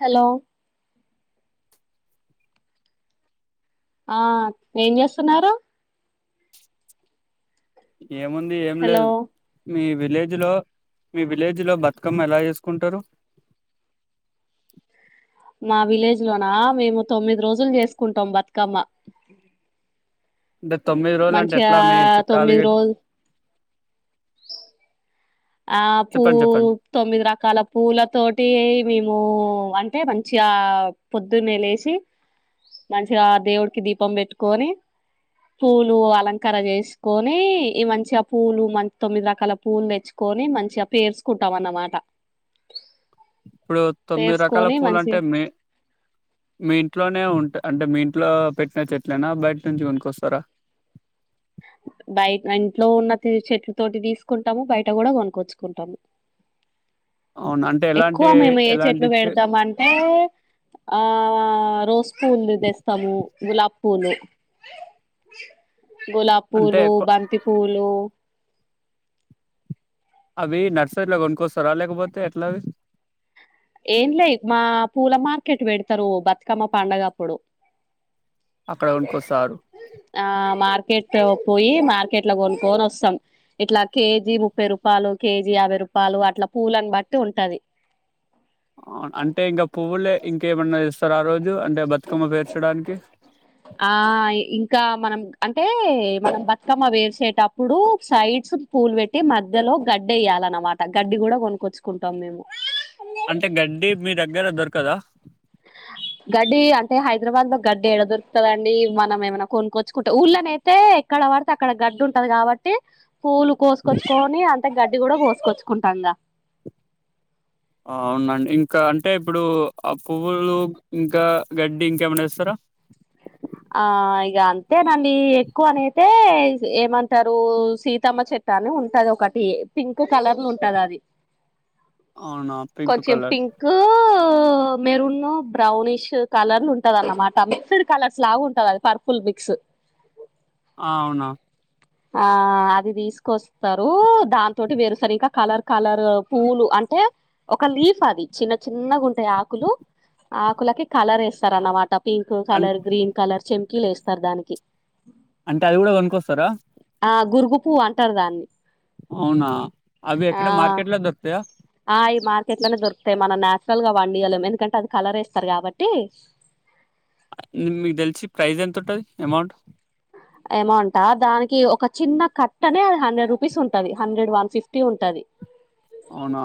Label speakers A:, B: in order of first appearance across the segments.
A: Hello ఆ ఏం చేస్తున్నారు
B: ఎం ఉంది ఏం
A: హలో
B: లేదు మీ విలేజ్లో మీ విలేజ్లో బతుకమ్మ ఎలా చేసుకుంటారు
A: మా విలేజ్ లోనా మేము తొమ్మిది రోజులు చేసుకుంటాం బతుకమ్మ
B: తొమ్మిది రోజులు అంటే
A: మంచిగా
B: ఎట్లా మీ చుట్టాలు
A: తొమ్మిది
B: గిన
A: రోజు అపూ
B: చెప్పండి చెప్పండి
A: తొమ్మిది రకాల పూలతోటి మేము అంటే మంచిగా పొద్దున్నే లేసి మంచిగా దేవుడికి దీపం పెట్టుకొని పూలు అలంకార చేసుకొనీ ఈ మంచిగా ఆ పూలు మంచి తొమ్మిది రకాల పూలునుతెచ్చు కొని మంచిగా పేర్చుకుంటాం అన్నమాట
B: ఇప్పుడు తొమ్మిది రకాల
A: పేర్చుకొని
B: పూలు అంటే
A: మంచిగా
B: మే మీ ఇంట్లోనే ఉంట అంటే మీ ఇంట్లో పెట్టిన చెట్లనా బయట నుంచి కొనుక్కొస్తారా
A: బయ ఇంట్లో ఉన్న చెట్ల తోటి తీసుకుంటాము బయట కూడా కొనుక్కొచ్చుకుంటాము
B: అవున అంటే
A: ఎక్కువ
B: ఎలాంటి
A: మేము ఏ
B: ఎలాంటి
A: చెట్లు పెడతాం అంటే ఆ రోజు పూలు తెస్తాము గులాబ్ పూలు గులాబ్
B: అంటే
A: పూలు
B: కొ-
A: బంతి పూలు
B: అవి నర్సరీలో కొనుక్కొస్తారా లేకపోతే ఎట్లా ఆది
A: ఏంలే మా పూల మార్కెట్ పెడతరు బతుకమ్మ పండుగప్పుడు
B: అక్కడ కొనుకొస్తారు
A: ఆ మార్కెట్ పోయి మార్కెట్లో కొనుక్కొని ఒస్తాం ఇట్లా కేజీ ముప్పై రూపాలు కేజీ యాభై రూపాలు అట్లా పూలను బట్టి ఉంటది
B: అ అంటే ఇంకా పువ్వులే ఇంకేమన్నా తెస్తారా ఆ రోజు అంటే బతుకమ్మ పేర్చడానికి
A: ఆ ఇంకా మనం అంటే మనం బతుకమ్మ వేసేటప్పుడు సైడ్స్ పూలు పెట్టి మధ్యలో గడ్డి ఏయాలన్నమాట గడ్డి కూడా కొనుక్కొచ్చుకుంటాం మేము
B: అంటే గడ్డి మీ దగ్గర దొరకదా
A: గడ్డి అంటే హైదరాబాద్ లో గడ్డి ఎడ దొరుకుతదండి మనం ఏమైనా కొనుక్కొచ్చుకుంటే ఊళ్ళ నై తే ఎక్కడ పడితే అక్కడ గడ్డుంటది కాబట్టి పూలు కోసుకొచ్చుకొని అంటే గడ్డి కూడా కోసుకొచ్చుకుంటాంగా
B: ఆ అవునండి ఇంకా అంటే ఇప్పుడు ఆ పువ్వులు ఇంకా గడ్డి ఇంకేమైనా ఏస్తారా
A: ఆ ఇగా అంతేనండి ఎక్కువనయితే ఏమంటారు సీతమ్మ చెట్ టాని ఉంటది ఒకటి పింక్ కలర్లా ఉంటది అది
B: అవునా పింక్
A: కొంచం
B: కలర్
A: పింక్ కు మెరున్న బ్రౌనిష్ కలర్లు ఉంటదన్నమాట మిక్స్డ్ కలర్ స్ లాగుంటుంది అది పర్పుుల్ మిక్స్
B: ఆ అవునా
A: ఆ అది తీసుకొస్తారు దాన్తోటి వేరుస్తారు ఇంకా కలర్ కలర్ పూలు అంటే ఒక లీఫ్ అది చిన్న చిన్నగుంటాయి ఆకులు ఆ ఆకులకి కలరెస్తారన్నమాట పింక్
B: అం
A: కలర్ గ్రీన్ కలర్ చేమ్కీలు లు వేస్తారు దానికి
B: అంటే అది కూడా గొన్కొస్తారా
A: ఆ గురుగు పువ్వు అంటారు దాన్ని
B: అవునా అవి
A: ఆ
B: ఎక్కడ మార్కెట్ లో దొరుకుతాయా
A: ఆ ఈ మార్కెట్ లోనే దొరుకుతాయి మనం నేచురల్గా వండియలేం ఎందుకంటే అది కలర్ వేస్తారు కాబట్టి
B: ఇది మి మీకు తెలిసి ప్రైజ్ ఎంత ఉంటది ఎమౌంట్
A: అమౌంటా దానికి ఒక చిన్న కట్టనే అది హండ్రెడ్ రూపీస్ ఉంటది హండ్రెడ్ వన్ ఫిఫ్టీ ఉంటది
B: అవునా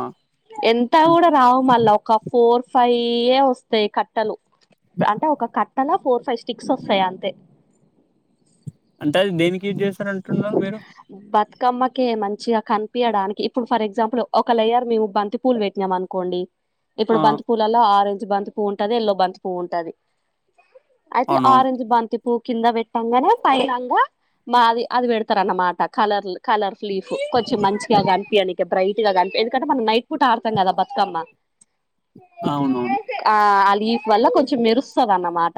A: ఎంత
B: అన్
A: కూడా రావు మళ్ళా ఒక ఫోర్ ఫైవ్య వస్తాయి కట్ ట్టలు అంటే ఒక కట్టలా ఫోర్ ఫైవ్ స్టిక్స్ వస్తాయి అంతే
B: అంటే అది దేనికి యూస్ చేస్తారాంటున్నారు మీరు
A: బతుకమ్మకే మంచిగా కనిపియడానికి ఇప్పుడు ఫర్ ఎగ్జాంపుల్ ఒక లేయర్ మేము బంతి పూల్ పెట్టినం అనుకోండి
B: ఆ
A: ఇప్పుడు బంతి పూలల్ల ఆరెంజ్ బంతి పువ్వు ఉంటది ఆరెంజ్ బంతి పువ్వు ఉంటది అయితే
B: అవునవును
A: ఆరెంజ్ బంతిపు కింద పెట్టంగానే పైంగా మాది అది పెడు తార్ అనమాట కలర్లు కలర్ ఫ్లీఫ్ కొంచెం మంచిగా కనిపియ్యనికి బ్రైట్ గా కనిపి ఎందుకంటే మనం నైట్ పుట అడుతంగా బతుకమ్మ
B: అవునవును
A: ఆ ఆ లీఫ్ వల్ల కొంచెం మెరుస్తదన్నమాట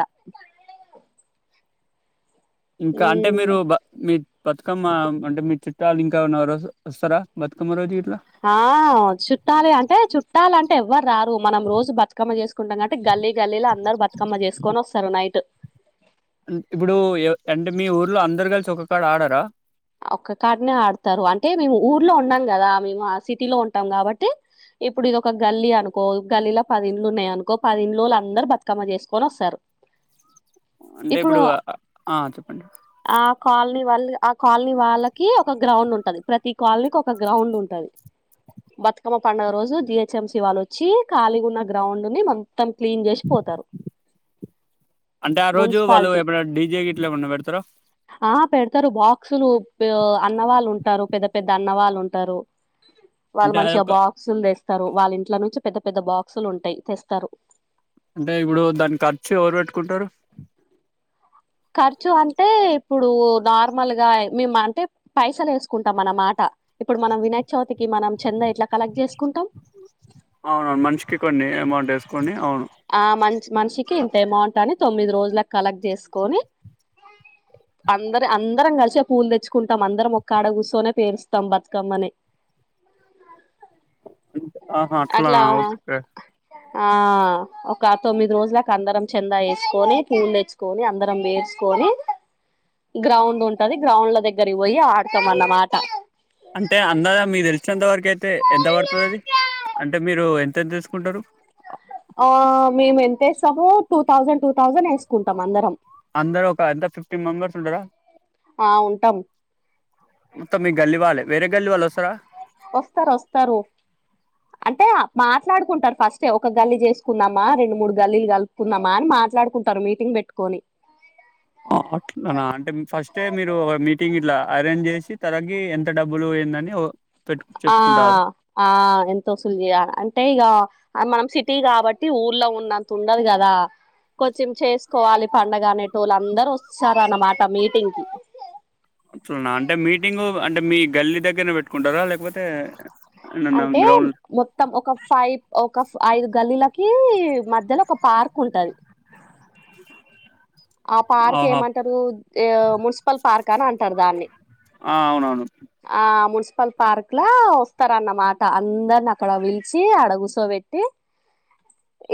B: ఇంకా అంటే
A: ఉమ్
B: మీరు బ మీ బతుకమ్మ అంటే మీ చుట్టాలు ఇంకాన్న రోజు వస్తారా బతుకమ్మ రోజు గీట్లా
A: ఆ చుట్టాలే అంటే చుట్టాలు ఎవ్వరు రారు మనం రోజు బ బతుకమ్మ చేసుకుంటాంటే గల్లీ గల్లీలో అందరు బతుకమ్మ చేసుకొని వస్తారు నైట్
B: ఇప్పుడు ఎ అంటే మీ ఊర్లో అందరు కలిసి ఒక కాడ ఆడరా
A: ఒక్క కాడనే ఆడతారు అంటే మేము ఊర్లో ఉండం కదా మేము ఆ సిటీలో ఉంటాం కాబట్టి ఇప్పుడు ఇది ఒక గల్లీ అనుకో గల్లీల పదిండ్లు ఉన్నాయనుకో పదిండ్లోలందరు బతుకమ్మ చేసుకొనొస్తారు
B: అంటే ఇప్పుడు ఆ చెప్పండి
A: ఆ కాలనీ వాల్ అక్ కాలనీ వాళ్ళకి ఒక గ్రౌండ్ ఉంటది ప్రతి కాలనీకి ఒక గ్రౌండ్ ఉంటది బతుకమ్మ పండుగ రోజు డిహెచ్ఎంసి వెళ్లొచ్చి కాలిగున్న గ్రౌండ్ ని మన్ మొత్తం క్లీన్ చేసి పోతారు.
B: అంటే ఆరోజు వాళ్ళు
A: మున్సిపాలిటీ
B: ఎప్పుడన్నా డీజే గిట్లా ఏమన్నా పెడతారా?
A: ఆ పెడతారు బా క్సులు బే అన్న వాళ్ళు ఉంటారు పెద్ద పెద్ద అన్నవాళ్ళు ఉంటారు. వాళ్ళు
B: అంటే
A: మంచిగా
B: అదొక
A: బాక్ క్సులు తెస్తారు, వాళ్ళ ఇంట్ల నుంచి పెద్ద పెద్ద బాక్సులు ఉంటాయి తెస్తారు.
B: అంటే ఇప్పుడు దాని ఖర్చు ఎవరు పెట్టుకుంటారు?
A: ఖర్చు అంటే ఇప్పుడు నార్మల్గా మేము అంటే పైసలు వేసుకుంటాం అన్నమాట. ఇప్పుడు మనం వినాయకచవితికి మనం చందా ఎట్లా కలెక్ట్ చేసుకుంటాం.
B: అవునవును మంచికి కొన్ని అమౌంట్ వేసుకొని అవును
A: ఆ మన్స్ మనిషికి ఇంత అమౌంట్ అని తొమ్మిది రోజులకి కలెక్ట్ చేసుకొని అందరి అందరం కలిసే పూలు తెచ్చుకుంటాం అందరం ఒక్కాడ కూర్చొని పేరుస్తాం బతుకమ్మని.
B: ఆంట్ ఆహా
A: అట్లా
B: అట్లానా ఓకే
A: ఆ ఒక తొమ్మిది రోజులకు అందరం చందా వేసుకొని పూలు తెచ్చు కోని అందరం పేర్చుకోని గ్రౌండ్ ఉంటది గ్రౌండ్ల దగ్గరకి పోయి ఆడతాం అన్నమాట
B: అంటే అందరా మీరు తెలిసినంతవరకు అయితే ఎంత పడుతది అది అంటే మీరు ఎంత ఎంత ఏసుకుంటారు?
A: ఆ మేము ఎంత వేస్తాము, టూ థౌజండ్ టూ థౌజండ్ వేసుకుంటాం అందరం.
B: అందరు ఒక ఎంత ఫిఫ్టీన్ మెంబర్స్ ఉంటారా?
A: ఆ ఉంటాం
B: మొత్తం మీ గల్లీవాళ్ళే, వేరే గల్లీవాళ్ళు వస్తారా?
A: వస్తారు, వస్తారు అంటే మాట్లాడుకుంటారు ఫస్టే, ఒక గల్లీ చేసుకుందామా రెండు మూడు గల్లీలు కలుపుకుందామా అని మాట్లాడుకు కుంటారు మీటింగ్ పెట్టుకొని.
B: అట్లానా, అంటే ఫస్టే మీరు మీటింగ్ ఇట్లా అరేంజ్ చేసి తలకి ఎంత ఎంత డబ్బులు ఏందని ఓ పెట్టు
A: ఆ
B: చెప్పుకుంటారు
A: ఆ ఎంత వసూలు చేయాలి అంటే ఇగ ఆ మనం సిటీ కాబట్టి, ఊర్లో ఉన్నంత ఉండదు కదా కొంచెం చేసుకోవాలి పండగ అనేటోళ్లు అందరు వస్తారు అన్నమాట మీటింగ్ కి.
B: అట్లనా, అంటే మీటింగ్ అంటే మీ గల్లీ దగ్గరనే పెట్టుకుంటారా లేకపోతే ఏడన్నా
A: అంటే
B: గ్రౌండ్
A: మొత్తం ఒక ఫైవ్ ఒక ఐదు గల్లీలకి మధ్యలో ఒక పార్క్ ఉంటది ఆ పార్క్
B: ఆహా
A: ఏమంటారు, మున్సి
B: ఆ అవునవును
A: ఆ మున్సిపల్ పార్క్ లో వస్తారన్నమాట. అందరిని అక్కడ పిలిచి ఆడ కూర్చోబెట్టి
B: [inaudible]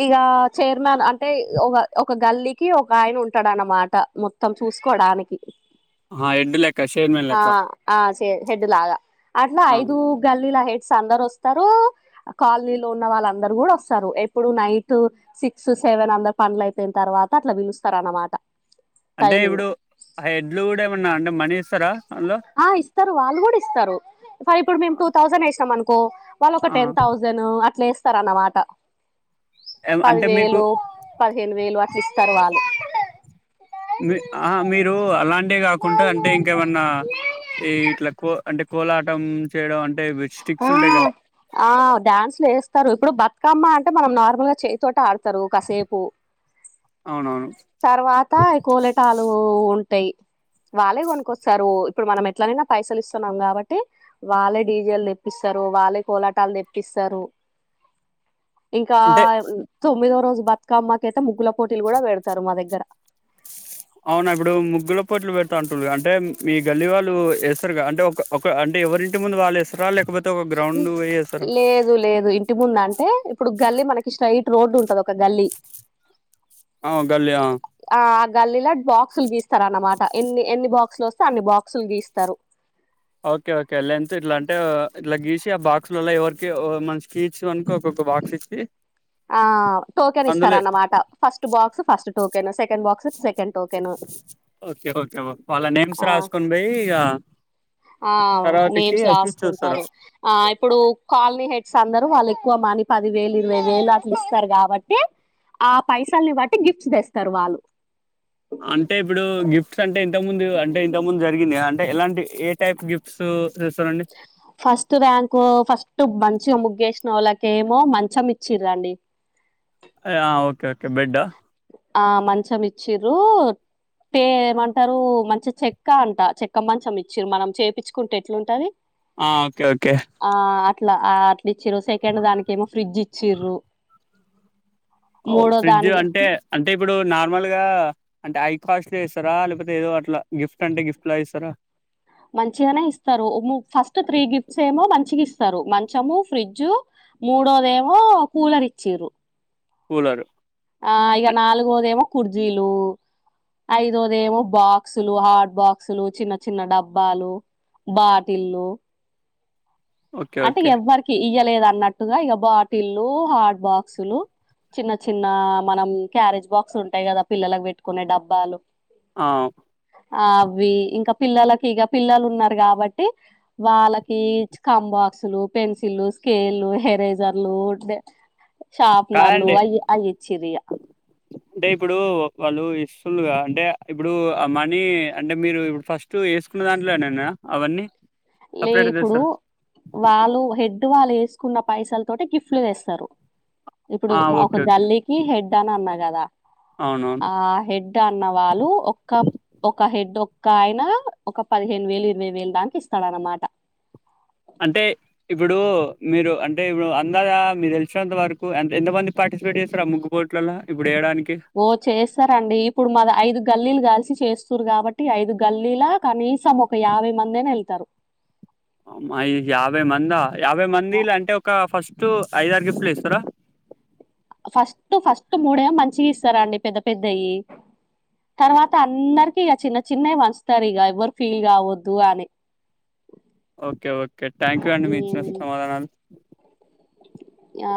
A: ఇక చైర్మన్ అంటే ఒక ఒక గల్లీకి ఒక ఆయన ఉంట ఉంటాడనమాట మొత్తం చూసుకోడానికి.
B: ఆ హెడ్ లెక్క, చైర్మన్
A: ఆ
B: లెక్క
A: ఆ చై హెడ్ లాగా అట్లా
B: ఆ
A: ఐదుగల్లీల హెడ్స్ అందరు వస్తారు కాలనీలో ఉన్న వాళ్ళందరు కూడా వస్తారు, ఎప్పుడు నైట్ సిక్స్ సెవెన్ అందరు పనులు అయిపోయి తర్వాత అట్లా పిలుస్తారు అన్నమాట
B: అంటే
A: టైమింగ్
B: ఇప్పుడు ఆ హెడ్లు కూడా ఏమన్నా అంటే మనీ ఇస్తారా అందులో
A: ఆ ఇస్తారు వాళ్ళు కూడా ఇస్తారు. ఇప్పుడు మేము టూ థౌసండ్ వేసినాం అనుకో వాళ్ళు ఒక
B: ఆ
A: టెన్ థౌసండ్ ను అట్లా వేస్తారు అన్నమాట
B: ఎం అంటే మీకు
A: పదివేలు పదిహేను వేలు అట్ల ఇస్తారు వాళ్ళు
B: మి ఆ మీరు అలాంటివి గాకుండా అంటే ఇంకేమన్నా ఈ ఇట్లా కో అంటే కోలాటం చేయడం అంటే వే
A: ఆ
B: స్టిక్స్ ఉంటాయి గ
A: ఆ డ్యాన్సులు వేస్తారు ఇప్పుడు బతుకమ్మ అంటే మనం నార్మల్ గా చేయి తోటి ఆడు స్తారు కాసేపు
B: అవునవును
A: తర్వాత కోలేటాలు ఉంటాయి వాళ్ళే కొనుక్కొస్తారు ఇప్పుడు మనం ఎట్లనైనా పైసలు ఇస్తున్నాం కాబట్టి వాళ్ళే డీజేలు తెప్పిస్తారు వాళ్లే కోలాటాలు తెప్పిస్తారు ఇంకా
B: అంటే
A: తొమ్మిదో రోజు బతుకమ్మకె అయితే ముగ్గుల పోటీలు కూడా పెడతారు మా దగ్గర
B: అవునా ఇప్పుడు ముగ్గుల పొట్లు పెడాత అంటున్నారు అంటే మీ గల్లి వాళ్ళు ఏస్తారుగా అంటే ఒక ఒక అంటే ఎవరింటి ముందు వాళ్ళు ఏస్తరా లేకపోతే ఒక
A: ఇ
B: గ్రౌండ్ పోయి వేస్తారా
A: లేదు లేదు ఇంటి ముందు అంటే ఇప్పుడు గల్లీ మనకి స్ట్రైట్ రోడ్డు ఉంటది ఒక గల్లీ
B: ఆ గల్లి ఆ
A: ఆ గల్లీలో బాక్సులు గీస్తారు అన్నమాట ఎన్ని ఎన్ని బాక్సులు వస్తే అన్ని బాక్సులు గీస్తారు
B: ఓకే ఓకే లెంత్ ఇట్లా అంటే ఇట్లా గీసి ఆ బాక్స్లల్ ఎవరికి మన ఈచ్ వన్ కి ఒక్కొక్క బాక్స్ ఏ
A: ఆ టోకెన్ ఇస్తారన్నమాట first box first token second box second token
B: okay okay వాళ్ళ నేమ్స్
A: ఆ
B: రాసుకొని పోయి ఇగ
A: ఆ నేమ్స్ రాసుకుంటారు ఆ ఇప్పుడు కాలనీ హెడ్స్ అందరూ వాళ్ళు ఎక్కువ మనీ పది వేలు ఇరవై వేలు అట్లా ఇస్తారు కాబట్టి ఆ పైసల్ని బట్టి గిఫ్ట్స్ తెస్తారు వాళ్ళు
B: అంటే ఇప్పుడు గిఫ్ట్స్ అంటే ఇంత ముందు అంటే ఇంత ముందు జరిగింది కదా అంటే ఎలాంటి ఏ టైప్ గిఫ్ట్స్ చేస్తారండి
A: ఫస్ట్ ర్యాంకు ఫస్ట్ మంచిగా ముగ్గేసిన వాళ్ళక ఏమో మంచం ఇచ్చిరండి
B: ఆ ఓకే ఓకే బెడ్ ఆ
A: ఆ మంచం ఇచ్చిరు టే ఏమంటారు మంచి చెక్క అంట చెక్క మంచం ఇచ్చిర్రు మనం చేపిచుకుంటే ఎట్లుంటది
B: ఆ ఓకే ఓకే
A: ఆ అట్లా అట్లా ఇచ్చిర్రు సెకండ్ దానికి ఏమో ఫ్రిడ్జ్ ఇచ్చిర్రు
B: ఒ
A: మూడో
B: ఫ్రిడ్జ్
A: దానికి
B: అంటే అంటే ఇప్పుడు నార్మల్గా అంటే హై కాస్ట్ లో ఇస్తారా లేకపోతే ఏదో అట్లా గిఫ్ట్ అంటే గిఫ్ట్ లా ఇస్తారా
A: మంచిగానే ఇస్తారు ఫస్ట్ త్రీ గిఫ్ట్స్ ఏమో మంచిగా ఇస్తారు మంచము ఫ్రిడ్జ్ మూడోదేమో కూలర్ ఇచ్చిరు
B: కూలరు
A: ఆ ఇగా నాలుగోదేమో కుర్జీలు ఐదోదేమో బాక్సులు హాట్ బాక్సులు చిన్న చిన్న డబ్బాలు బాటిళ్లు
B: ఓకే
A: అంటే
B: ఓకే
A: ఎవ్వరికి ఇయ్యలేదు అన్నట్టుగా ఇక బాటిల్లు హాట్ బాక్సులు చిన్న చిన్న మనం క్యారేజ్ బాక్స్ ఉంటాయి కదా పిల్లలకు పెట్టుకునే డబ్బాలు
B: ఆ
A: ఆ అవి ఇంకా పిల్లలకి ఇగ పిల్లలు ఉన్నారు కాబట్టి వాళ్ళకి ఇచ్చి కంబ స్కులు పెన్సిల్లు స్కేల్లు ఎరేజర్లు ఉండే షాప్నర్లు
B: కాదండి
A: అయ్యి అయ్యిచ్చిరిగా
B: అంటే ఇప్పుడు వాళ్ళు ఇస్తులుగా అంటే ఇప్పుడు అమని అంటే మీరు ఇప్పుడు ఫస్ట్ తు ఏసుకున్న దాంట్లోనేనా అవన్నీ
A: లే
B: సపరేట్
A: ఇప్పుడు
B: చేస్తారా
A: వాళ్ళు హెడ్డ్ వాళ్ళు ఏసుకున్న పైసల తోటి గిఫ్ట్లు తెస్తరు ఇప్పుడు
B: ఆ
A: మా ఒక
B: ఓకే ఓకే
A: గల్లీకి హెడ్ అని అన్న గదా
B: అవునవును
A: ఆ హెడ్ డ్ అన్న వాళ్ళు ఒక్క ఒక హెడ్ ఒక్క ఆయన ఒక పదిహేను వేలు ఇరవై వేలు దాంక ఇస్త తడన్నమాట
B: అంటే ఇప్పుడూ మీరు అంటే ఇప్పుడు అందదా మీక్ తెలిసినంత వరకు ఎం ఎంత మంది పార్టిసిపేట్ చేస్తరా ముగ్గు పోట్లల్లా ఇప్పుడు ఏయడానికి
A: ఓ చేస్తరండి ఇప్పుడు మాగ ఐదు గల్లీలు కలిసి చేస్తుర్రు గాబట్టి ఐదు గల్లీలా కనీసం ఒక్ క యాభై మందైన ఎళ్తరు
B: మ్మయి యాభై మందా యాభై మందిలు అంటే ఒక ఫస్ట్ ఐదారు గిఫ్ట్లు ఇస్తరా
A: ఫస్ట్ ఫస్ట్ మూడే మంచిగిస్తరండి పెద్ద పెద్దయ్యి తర్వాత అందరికి ఇగ చిన్న చిన్నయి పంచుతరిగ ఎవ్వరు ఫీల్ గావద్దు అని
B: ఓకే ఓకే థ్యాంక్ యూ అండి మీ ఇచ్చిన
A: ఉమ్,
B: సమాధానాలు
A: యా